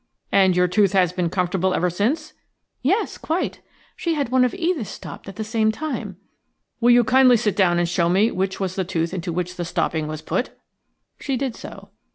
"And your tooth has been comfortable ever since?" "Yes, quite. She had one of Edith's stopped at the same time." "Will you kindly sit down and show me which was the tooth into which the stopping was put?" She did so.